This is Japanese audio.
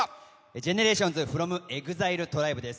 ＧＥＮＥＲＡＴＩＯＮＳｆｒｏｍＥＸＩＬＥＴＲＩＢＥです。